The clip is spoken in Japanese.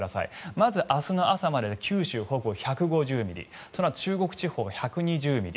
まず明日の朝までで九州北部、１５０ミリそのあと中国地方、１２０ミリ